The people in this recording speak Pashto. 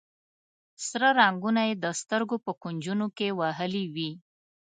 سره رنګونه یې د سترګو په کونجونو کې وهلي وي.